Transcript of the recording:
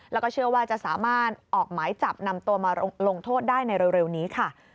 แล้วก็เชื่อว่าจะสามารถออกหมายจับนำตัวมาลงโทษได้ในเร็วนี้ค่ะ